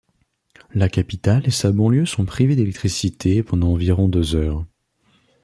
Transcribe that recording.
La capitale et sa banlieue sont privées d'électricité pendant environ deux heures.